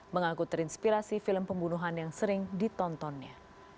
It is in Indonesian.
mengaku terinspirasi film pembunuhan yang sering ditontonnya